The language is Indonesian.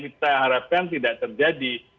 kita harapkan tidak terjadi